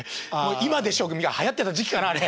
「今でしょ」がはやってた時期かなあれ。